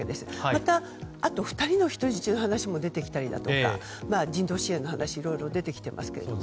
またあと２人の人質の話も出てきたり人道支援の話がいろいろ出てきていますけども。